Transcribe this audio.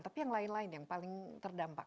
tapi yang lain lain yang paling terdampak